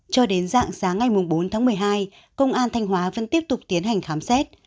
cho đến dạng sáng ngày bốn tháng một mươi hai công an thanh hóa vẫn tiếp tục tiến hành khám xét